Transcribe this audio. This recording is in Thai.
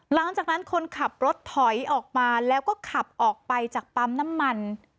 หลังจากนั้นคนขับรถถอยออกมาแล้วก็ขับออกไปจากปั๊มน้ำมัน